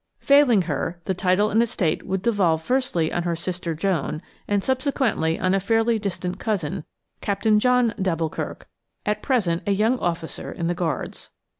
Failing her, the title and estate would devolve firstly on her sister Joan, and subsequently on a fairly distant cousin, Captain John d'Alboukirk, at present a young officer in the Guards.